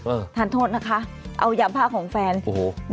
ทานโทษนะคะเอายามผ้าของแฟนโอ้โห